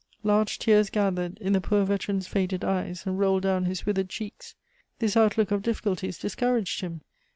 Large tears gathered in the poor veteran's faded eyes, and rolled down his withered cheeks. This outlook of difficulties discouraged him.